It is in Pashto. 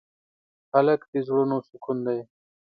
هلک د زړونو سکون دی.